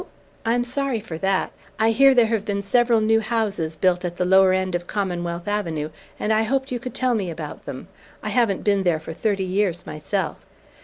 I'm sorry for that. I hear there have been several new houses built at the lower end of Commonwealth Avenue and I hoped you could tell me about them. I haven't been there for thirty years myself."